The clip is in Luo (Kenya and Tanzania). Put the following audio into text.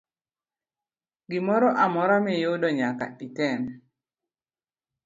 Gimoro amora miyudo nyaka item.